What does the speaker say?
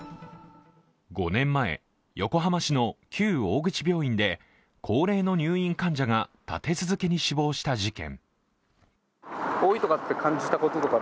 ５年前、横浜市の旧大口病院でで高齢の入院患者が立て続けに死亡した事件。